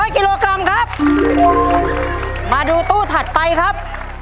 กิโลกรัมครับมาดูตู้ถัดไปครับ